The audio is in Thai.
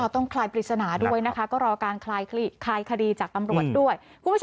คลายปริศนาด้วยนะคะก็รอการคลายคดีจากตำรวจด้วย